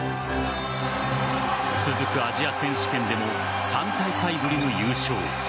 続くアジア選手権でも３大会ぶりの優勝。